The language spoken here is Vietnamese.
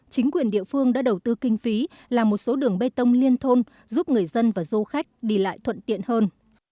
chính quyền địa phương đã đầu tư kinh phí làm một số đường bê tông liên thôn giúp người dân và du khách đi lại thuận tiện hơn